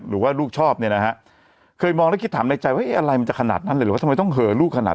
หรือว่าลูกชอบเนี่ยนะฮะเคยมองแล้วคิดถามในใจว่าอะไรมันจะขนาดนั้นเลยหรือว่าทำไมต้องเหอลูกขนาด